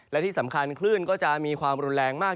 และที่สำคัญคลื่นก็จะมีความรุนแรงมาก